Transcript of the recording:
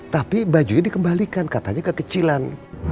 tapi bajunya dikembalikan katanya kekecilan